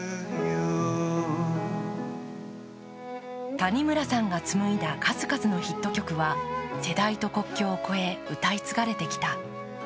谷村さんが紡いだ数々のヒット曲は世代と国境を越え歌い継がれてきた。